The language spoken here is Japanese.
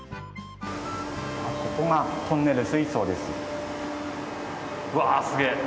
ここがトンネル水槽です。